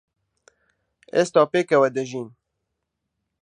ئێستا پێکەوە دەژین.